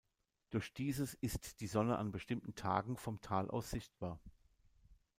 Durch dieses ist die Sonne an bestimmten Tagen vom Tal aus sichtbar.